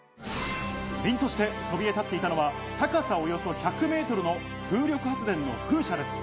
凜としてそびえ立っていたのは高さおよそ１００ｍの風力発電の風車です。